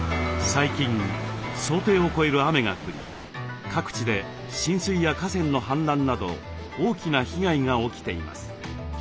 最近想定を超える雨が降り各地で浸水や河川の氾濫など大きな被害が起きています。